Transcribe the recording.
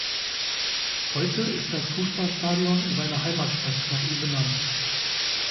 Heute ist das Fußballstadion seiner Heimatstadt nach ihm benannt.